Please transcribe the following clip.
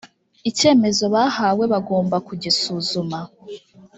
icyemezo bahawe bagombaga kugisuzuma